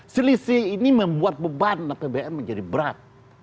selisih ini membuat beban apbn menjadi berat